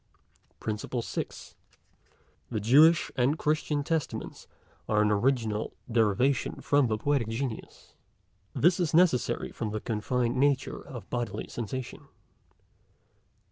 PRINCIPLE SIXTH. The Jewish and Christian Testaments are an original derivation from the Poetic Genius. This is necessary from the confined nature of bodily sensation.